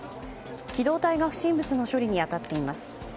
機動隊が不審物の処理に当たっています。